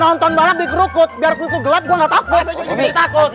nonton malam di kerukut biar kulit lu gelap gua gak takut